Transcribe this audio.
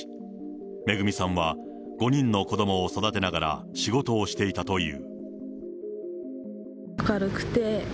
恵さんは、５人の子どもを育てながら仕事をしていたという。